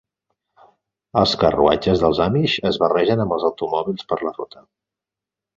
Els carruatges dels amish es barregen amb els automòbils per la ruta.